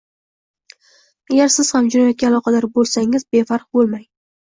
Agar siz ham jinoyatga aloqador bo'lsangiz, befarq bo'lmang